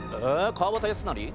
川端康成？